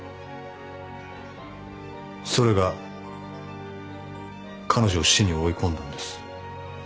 それが彼女を死に追い込んだんです。